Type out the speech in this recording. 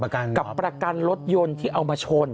กับประกันรถยนต์ที่เอามาชน